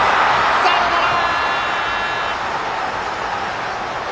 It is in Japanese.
サヨナラ！